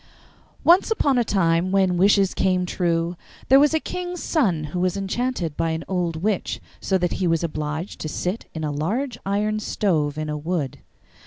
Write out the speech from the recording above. Once upon a time when wishes came true there was a king's son who was enchanted by an old witch, so that he was obliged to sit in a large iron stove in a wood.